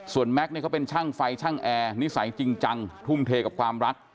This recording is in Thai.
แม็กซ์เนี่ยเขาเป็นช่างไฟช่างแอร์นิสัยจริงจังทุ่มเทกับความรัก